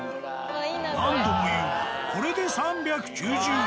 何度も言うがこれで３９０円。